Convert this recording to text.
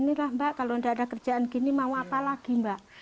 inilah mbak kalau tidak ada kerjaan gini mau apa lagi mbak